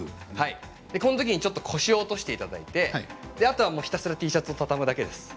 このときに腰を落としていただいてあとは、ひたすらＴシャツを畳むだけです。